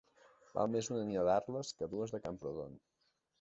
Val més una nina d'Arles que dues de Camprodon.